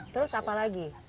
terus apa lagi